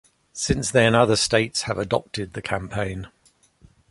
Since then, other states have adopted the campaign.